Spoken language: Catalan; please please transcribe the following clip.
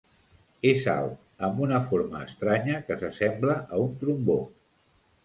És alt, amb una forma estranya que s'assembla a un trombó.